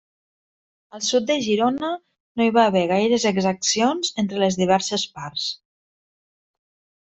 Al sud de Gironda, no hi va haver gaires exaccions entre les diverses parts.